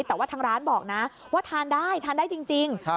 แต่ว่าทางร้านบอกนะว่าทานได้ทานได้จริง